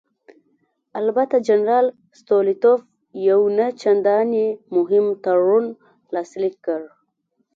البته جنرال ستولیتوف یو نه چندانې مهم تړون لاسلیک کړ.